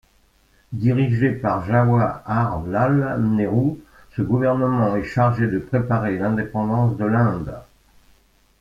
Dirigé par Jawaharlal Nehru, ce gouvernement est chargé de préparer l'indépendance de l'Inde.